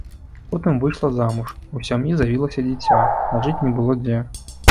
Потым выйшла замуж, у сям'і з'явілася дзіця, а жыць не было дзе.